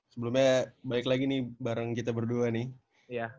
sebelumnya balik lagi nih bareng kita berdua nih